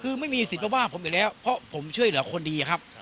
คือไม่มีสิทธิ์มาว่าผมอยู่แล้วเพราะผมช่วยเหลือคนดีครับ